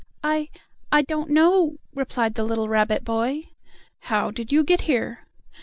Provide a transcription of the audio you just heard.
"I I don't know," replied the little rabbit boy. "How did you get here?"